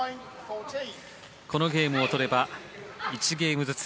このゲームを取れば１ゲームずつ。